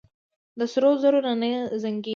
د سرو زرو نه زنګېږي.